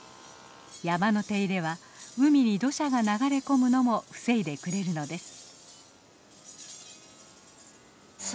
山の手入れは海に土砂が流れ込むのも防いでくれるのです。